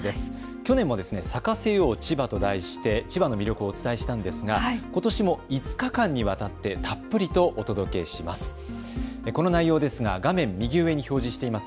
去年も咲かせよう千葉と題して千葉の魅力をお伝えしたんですがことしも５日間にわたってたっぷりとお届けします。